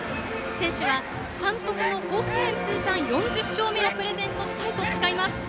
選手は監督の甲子園通算４０勝目をプレゼントしたいと誓います。